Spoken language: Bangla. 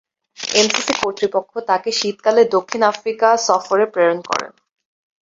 এমসিসি কর্তৃপক্ষ তাকে শীতকালে দক্ষিণ আফ্রিকা সফরে প্রেরণ করেন।